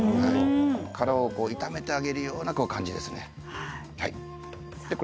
殻を炒めてあげるような感じですね。